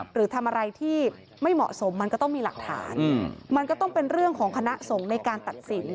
หรือทำอะไรที่ไม่เหมาะสมมันก็ต้องมีหลักฐานมันก็ต้องเป็นเรื่องของคณะสงฆ์ในการตัดสิน